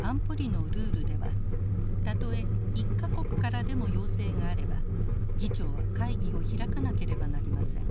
安保理のルールではたとえ１か国からでも要請があれば議長は会議を開かなければなりません。